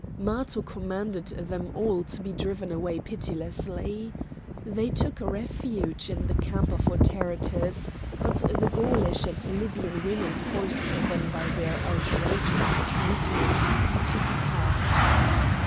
Matho commanded them all to be driven away pitilessly. They took refuge in the camp of Autaritus; but the Gaulish and Libyan women forced them by their outrageous treatment to depart.